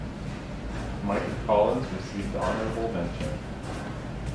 Mike Collins received honorable mention.